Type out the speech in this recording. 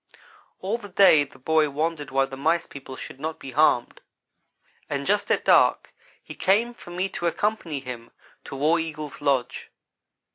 All the day the boy wondered why the Mice people should not be harmed; and just at dark he came for me to accompany him to War Eagle's lodge.